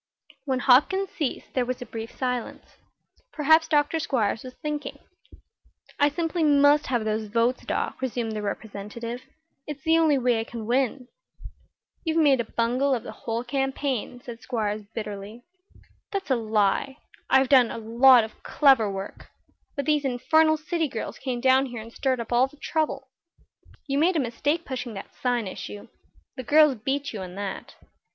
When Hopkins ceased there was a brief silence. Perhaps Dr. Squiers was thinking. "I simply must have those votes, Doc," resumed the Representative. "It's the only way I can win." "You've made a bungle of the whole campaign," said Squiers, bitterly. "That's a lie. I've done a lot of clever work. But these infernal city girls came down here and stirred up all the trouble." "You made a mistake pushing that sign issue. The girls beat you on that."